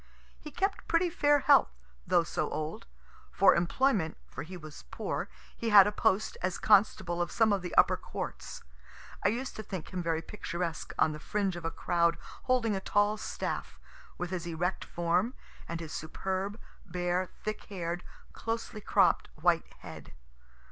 He kept pretty fair health, though so old. For employment for he was poor he had a post as constable of some of the upper courts. I used to think him very picturesque on the fringe of a crowd holding a tall staff, with his erect form, and his superb, bare, thick hair'd, closely cropt white head.